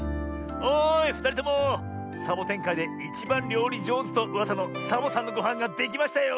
おいふたりともサボテンかいでいちばんりょうりじょうずとうわさのサボさんのごはんができましたよ。